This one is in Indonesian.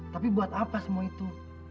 tapi buat apa semua itu